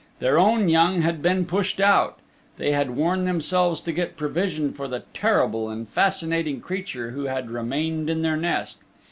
Their own young had been pushed out. They had worn themselves to get provision for the terrible and fascinating creature who had remained in their nest.